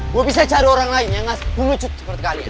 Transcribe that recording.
gue bisa cari orang lain yang gak sepuluh cut seperti kalian